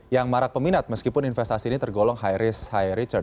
yang marak peminat meskipun investasi ini tergolong high risk high return